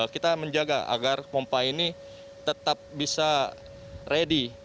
kita menjaga agar pompa ini tetap bisa ready